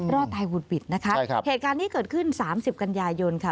รอดตายวุฒิบิตนะครับเหตุการณ์นี้เกิดขึ้น๓๐กันยายนค่ะ